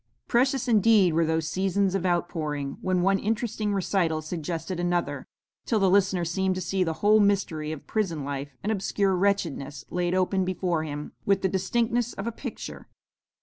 Precious indeed were those seasons of outpouring, when one interesting recital suggested another, till the listener seemed to see the whole mystery of prison life and obscure wretchedness laid open before him with the distinctness of a picture.